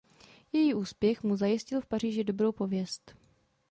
Její úspěch mu zajistil v Paříži dobrou pověst.